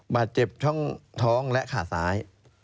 บาดเจ็บช่องท้องและขาซ้าย